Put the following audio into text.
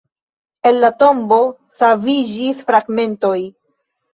El la Tombo saviĝis fragmentoj.